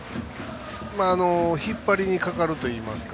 引っ張りにかかるといいますか。